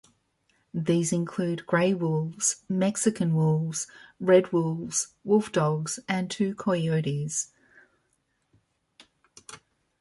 These include gray wolves, Mexican wolves, red wolves, wolfdogs and two coyotes.